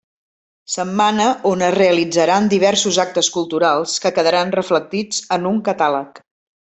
Setmana a on es realitzaran diversos actes culturals que quedaran reflectits en un catàleg.